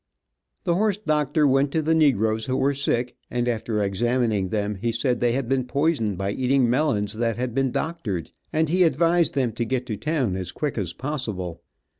The horse doctor went to the negroes who were sick, and after examining them he said they had been poisoned by eating melons that had been doctored, and he advised them to get to town as quick as possible.